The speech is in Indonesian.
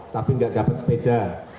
tapi enggak dapat sepeda